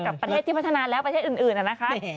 ประเทศที่พัฒนาแล้วประเทศอื่นนะคะ